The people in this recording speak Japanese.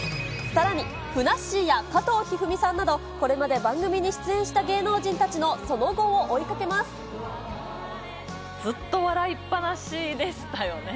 さらに、ふなっしーや加藤一二三さんなど、これまで番組に出演した芸能人たちのその後を追いずっと笑いっ放しでしたよね。